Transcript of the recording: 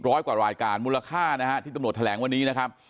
กว่ารายการมูลค่านะฮะที่ตำรวจแถลงวันนี้นะครับ